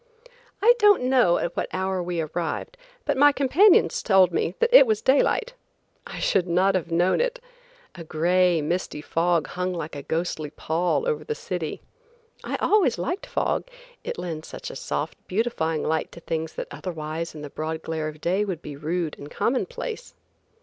I don't know at what hour we arrived, but my companions told me that it was daylight. I should not have known it. A gray, misty fog hung like a ghostly pall over the city. I always liked fog, it lends such a soft, beautifying light to things that otherwise in the broad glare of day would be rude and commonplace.